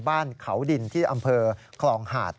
บ้านเขาดินที่อำเภอคลองหาด